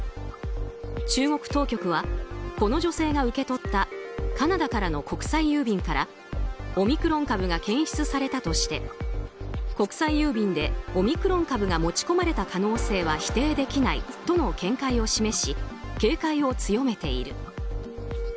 中国当局はこの女性が受け取ったカナダからの国際郵便からオミクロン株が検出されたとして国際郵便でオミクロン株が持ち込まれた可能性は否定できないとの見解を示し警戒を強めている。